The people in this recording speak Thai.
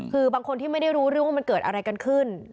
คือบางคนที่ไม่ได้รู้เรื่องว่ามันเกิดอะไรกันขึ้น